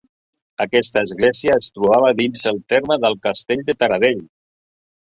Aquesta església es trobava dins el terme del castell de Taradell.